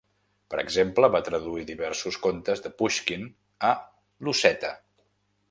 Per exemple, va traduir diversos contes de Pushkin a l'osseta.